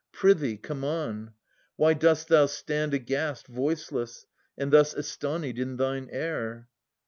Prithee, come on ! Why dost thou stand aghast, Voiceless, and thus astonied in thine air